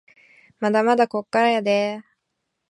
まだまだこっからやでぇ